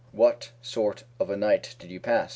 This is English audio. "What sort of a night did you pass?"